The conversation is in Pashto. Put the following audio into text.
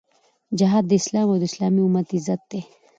جهاد د اسلام او اسلامي امت عزت دی.